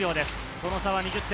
その差は２０点。